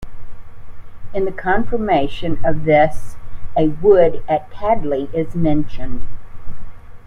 In the confirmation of this a wood at Tadley is mentioned.